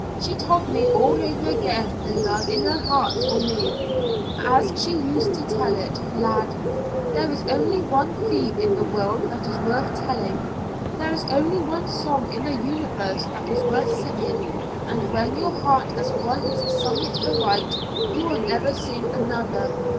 She told me all over again the love in her heart for me, as she used to tell it. Lad! There is only one theme in the world that is worth telling. There is only one song in the universe that is worth singing, and when your heart has once sung it aright, you will never sing another.